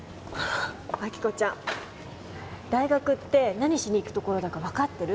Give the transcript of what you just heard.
亜希子ちゃん大学って何しに行く所だか分かってる？